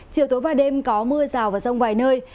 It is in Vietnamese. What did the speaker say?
chiều tối và đêm có mưa rào và rông vài nơi